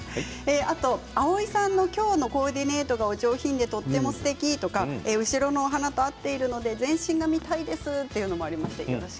あと蒼井さんの今日のコーディネートがお上品ですてきとか後ろのお花と合っているので全身を見たいですというメッセージです